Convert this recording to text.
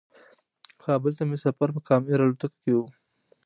کابل ته مې سفر په کام ایر الوتکه کې و.